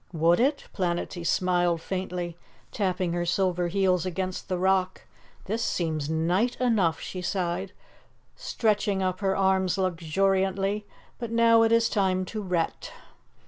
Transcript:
"Would it?" Planetty smiled faintly, tapping her silver heels against the rock. "This seems nite enough," she sighed, stretching up her arms luxuriantly, "but now it is time to ret."